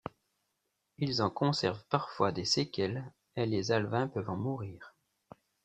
Ils en conservent parfois des séquelles et les alevins peuvent en mourir.